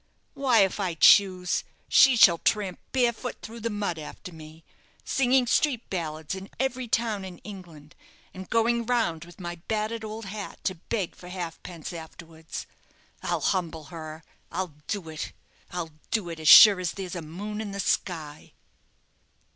Why, if I choose, she shall tramp barefoot through the mud after me, singing street ballads in every town in England, and going round with my battered old hat to beg for halfpence afterwards. I'll humble her! I'll do it I'll do it as sure as there's a moon in the sky!"